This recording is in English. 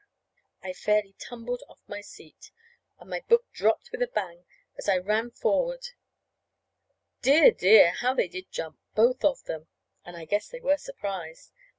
"] I fairly tumbled off my seat, and my book dropped with a bang, as I ran forward. Dear, dear, but how they did jump both of them! And I guess they were surprised.